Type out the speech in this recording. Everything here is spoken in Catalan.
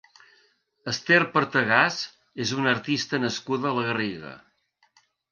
Ester Partegàs és una artista nascuda a la Garriga.